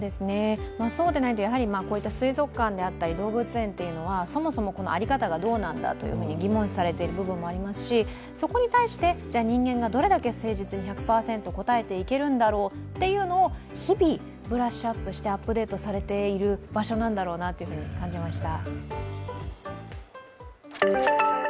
そうでないと、やはりこういった水族館であったり動物園というのはそもそも在り方がどうなんだと疑問視されている部分もありますし、そこに対して人間がどれだけ誠実に１００％応えていけるんだろうというのを日々ブラッシュアップしてアップデートされている場所なんだろうなと感じました。